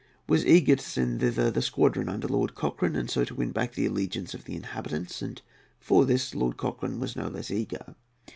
was eager to send thither the squadron under Lord Cochrane, and so to win back the allegiance of the inhabitants; and for this Lord Cochrane was no less eager.